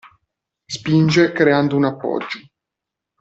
Spinge creando un appoggio.